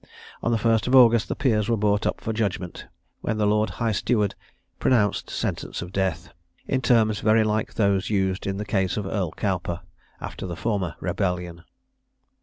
On the 1st August the peers were brought up for judgment, when the Lord High Steward pronounced sentence of death, in terms very like those used in the case of Earl Cowper, after the former rebellion.